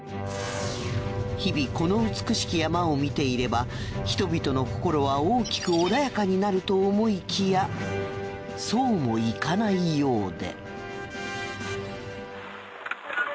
日々この美しき山を見ていれば人々の心は大きく穏やかになると思いきやそうもいかないようで。